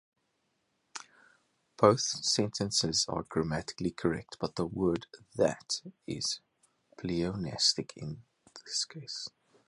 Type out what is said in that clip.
Both sentences are grammatically correct, but the word "that" is pleonastic in this case.